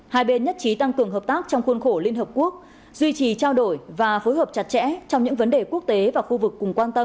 hai bên nhất trí tăng cường hợp tác trong khuôn khổ liên hợp quốc duy trì trao đổi và phối hợp chặt chẽ trong những vấn đề quốc tế và khu vực cùng quan tâm